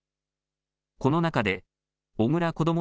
この中で、小倉こども